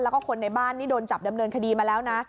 แล้วก็คนในบ้านนี่โดนจับดำเนินคดีมาแล้วนะ